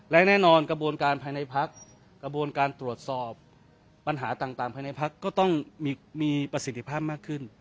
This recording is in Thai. และแน่นอนกระบวนการภายในพักกระบวนการตรวจสอบปัญหาต่างภายในพักก็ต้องมีประสิทธิภาพมากขึ้น